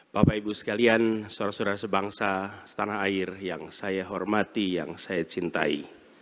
bapak ibu sekalian saudara saudara sebangsa setanah air yang saya hormati yang saya cintai